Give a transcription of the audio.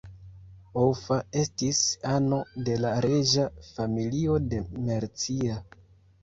Offa estis ano de la reĝa familio de Mercia.